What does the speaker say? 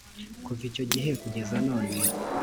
kuva icyo gihe kugera none